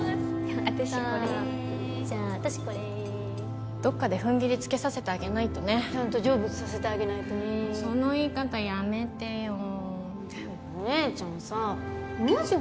私これじゃあ私これどっかでふんぎりつけさせてあげないとねちゃんと成仏させてあげないとねその言い方やめてよでもお姉ちゃんさもし